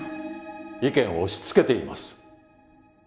意見を押しつけています！